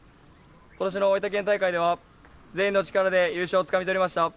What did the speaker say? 今年の大分県大会では全員の力で優勝をつかみ取りました。